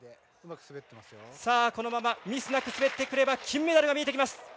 さあこのままミスなく滑ってくれば金メダルが見えてきます。